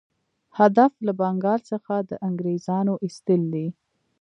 هدف له بنګال څخه د انګرېزانو ایستل دي.